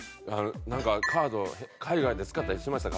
「カードを海外で使ったりしましたか？」